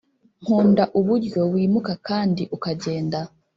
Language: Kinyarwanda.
nkunda uburyo wimuka kandi ukagenda